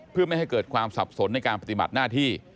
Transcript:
เพื่อไม่ให้เกิดความสับสนในการปฏิบัติหน้าที่